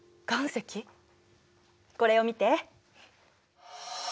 これを見て。